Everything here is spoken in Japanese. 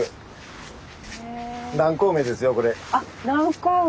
あっ南高梅。